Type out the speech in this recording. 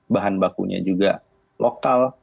bahan bakunya juga lokal